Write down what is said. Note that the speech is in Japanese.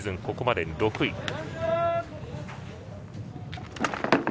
ここまで６位。